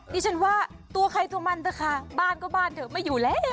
ดิฉันว่าตัวใครตัวมันเถอะค่ะบ้านก็บ้านเถอะไม่อยู่แล้ว